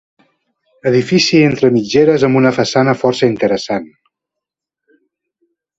Edifici entre mitgeres amb una façana força interessant.